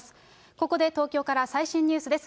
ここで東京から最新ニュースです。